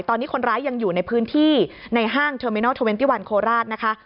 ตอนนี้คนร้ายยังอยู่ในพื้นที่ในห้างเทอร์มินัล๒๑โคลราช